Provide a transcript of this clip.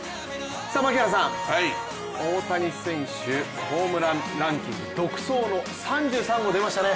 槙原さん、大谷選手、ホームランランキング独走の３３号でましたね。